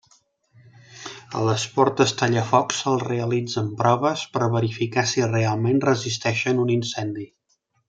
A les portes tallafoc se'ls realitzen proves per verificar si realment resisteixen un incendi.